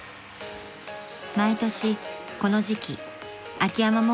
［毎年この時期秋山